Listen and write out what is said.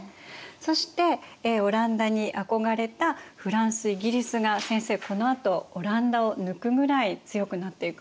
そしてオランダに憧れたフランスイギリスが先生このあとオランダを抜くぐらい強くなっていくんですよね。